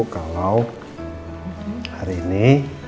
kalau hari ini